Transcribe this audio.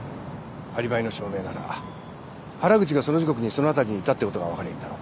アリバイの証明なら原口がその時刻にその辺りにいたってことが分かりゃいいんだろ？